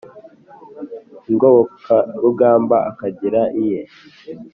ingobokarugamba akagira iye